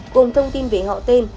gồm thông tin về họ tên